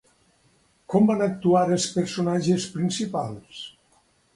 Com van actuar els personatges principals?